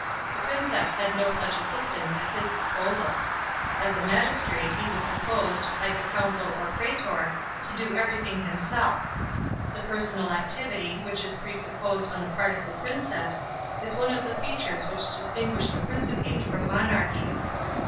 The Princeps had no such assistance at his disposal As a magistrate, he was supposed, like a consul or a prastor, to do everything himself, The personal activity, which is presupposed on the part of the Princeps, is one of the features which distinguish the Principate from monarchy.